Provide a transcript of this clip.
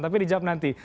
tapi dijawab nanti